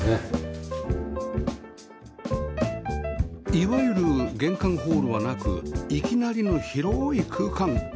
いわゆる玄関ホールはなくいきなりの広い空間